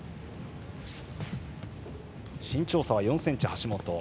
身長差は４ｃｍ、橋本。